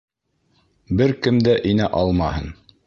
Бер кем дә инә алмаһын!